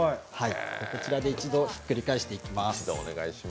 こちらで一度ひっくり返していきます。